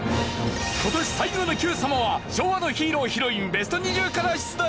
今年最後の『Ｑさま！！』は昭和のヒーロー＆ヒロインＢＥＳＴ２０から出題。